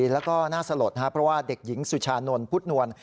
แล้วก็น่าสลดเพราะว่าเด็กหญิงสุชานนท์พุทธนวล